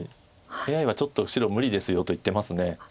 ＡＩはちょっと白無理ですよと言ってます。